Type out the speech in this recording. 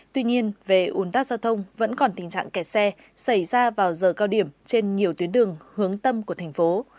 tuy nhiên về ủn tắc giao thông vẫn còn tình trạng kẻ xe xảy ra vào giờ cao điểm trên nhiều tuyến đường hướng tâm của thành phố